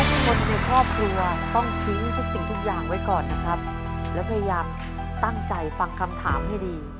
คนในครอบครัวต้องทิ้งทุกสิ่งทุกอย่างไว้ก่อนนะครับแล้วพยายามตั้งใจฟังคำถามให้ดี